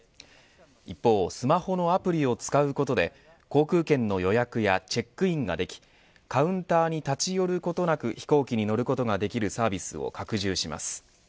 一方スマホのアプリを使うことで航空券の予約やチェックインができカウンターに立ち寄ることなく飛行機に乗ることができるサービスを拡充します。